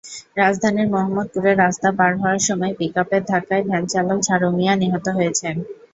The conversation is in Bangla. রাজধানীর মোহাম্মদপুরে রাস্তা পার হওয়ার সময় পিকআপের ধাক্কায় ভ্যানচালক ঝাড়ু মিয়া নিহত হয়েছেন।